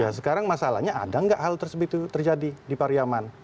ya sekarang masalahnya ada nggak hal tersebut itu terjadi di pariyaman